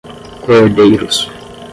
coerdeiros